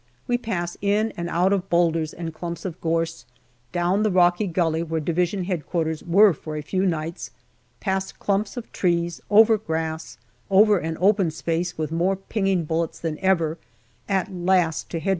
We pass in and out of boulders and clumps of gorse, down the rocky gully where D.H.Q. were for a few nights, past clumps of trees, over grass, over an open space with more pinging bullets than ever, at last to H.Q.